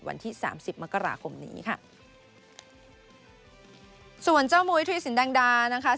วันที่สามสิบมกราคมนี้ค่ะส่วนเจ้ามุยธุรสินแดงดานะคะ